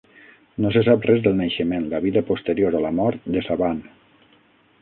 No se sap res del naixement, la vida posterior o la mort de Saban.